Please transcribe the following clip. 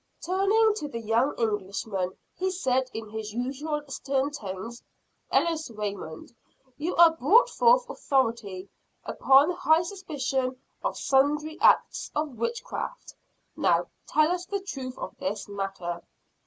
Turning to the young Englishman, he said in his usual stern tones: "Ellis Raymond, you are brought before authority, upon high suspicion of sundry acts of witchcraft. Now tell us the truth of this matter."